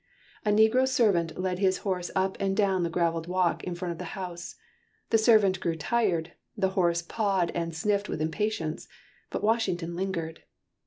A negro servant led his horse up and down the gravelled walk in front of the house; the servant grew tired, the horse pawed and sniffed with impatience, but Washington lingered.